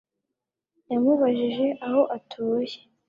Yamubajije aho atuye